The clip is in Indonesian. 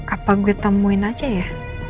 apa gue temuin aja ya